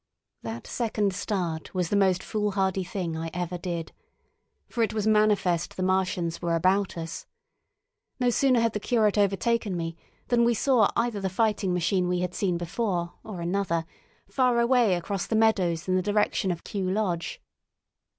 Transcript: That second start was the most foolhardy thing I ever did. For it was manifest the Martians were about us. No sooner had the curate overtaken me than we saw either the fighting machine we had seen before or another, far away across the meadows in the direction of Kew Lodge.